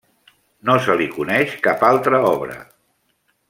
No se li coneix cap altra obra.